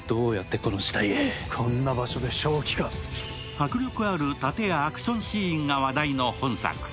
迫力ある殺陣やアクションシーンが話題の本作。